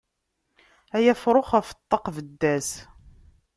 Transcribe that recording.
Ay afrux ɣef ṭṭaq bedd-as.